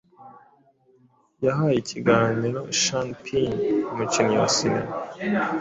yahaye ikiganiro Sean Penn umukinnyi wa cinema